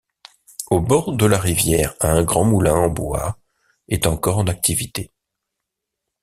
Au bord de la rivière, un grand moulin en bois est encore en activité.